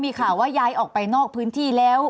มีข่าวว่าย้ายออกไปนอกพื้นที่แล้ว